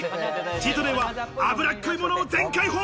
チートデイは脂っこいものを全開放！